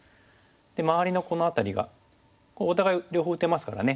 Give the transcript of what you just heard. で周りのこの辺りがお互い両方打てますからね。